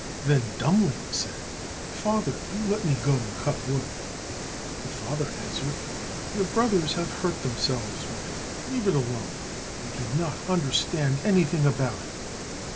Then Dummling said, "Father, do let me go and cut wood." The father answered, "Your brothers have hurt themselves with it, leave it alone, you do not understand anything about it."